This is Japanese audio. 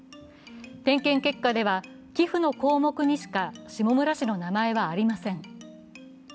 点検結果では寄付の項目にしか下村氏の名前はありません。